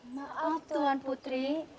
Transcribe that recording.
maaf tuan putri